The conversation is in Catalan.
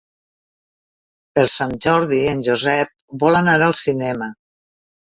Per Sant Jordi en Josep vol anar al cinema.